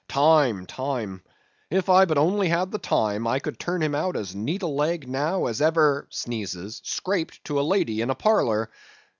Time, time; if I but only had the time, I could turn him out as neat a leg now as ever scraped to a lady in a parlor.